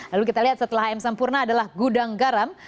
lalu kita lihat setelah hmsp adalah gudang garam